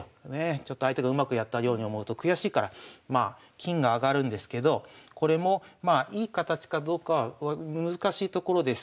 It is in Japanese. ちょっと相手がうまくやったように思うと悔しいからまあ金が上がるんですけどこれもいい形かどうかは難しいところです。